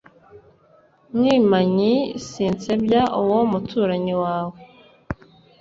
mwimanyi sinsebya uwo muturanyi wawe,